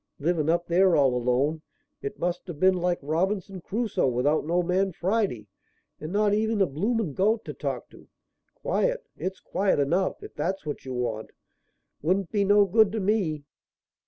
Livin' up there all alone, it must have been like Robinson Crusoe without no man Friday and not even a blooming goat to talk to. Quiet! It's quiet enough, if that's what you want. Wouldn't be no good to me."